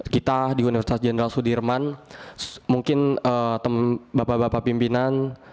kita di universitas jenderal sudirman mungkin bapak bapak pimpinan